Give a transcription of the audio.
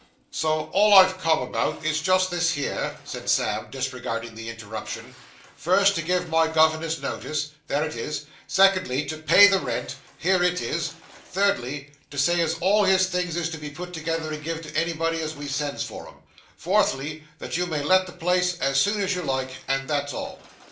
'So all I've come about, is jest this here,' said Sam, disregarding the interruption; 'first, to give my governor's notice there it is. Secondly, to pay the rent here it is. Thirdly, to say as all his things is to be put together, and give to anybody as we sends for 'em. Fourthly, that you may let the place as soon as you like and that's all.